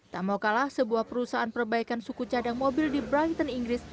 tak mau kalah sebuah perusahaan perbaikan suku cadang mobil di brighton inggris